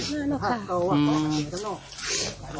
ได้ละครับ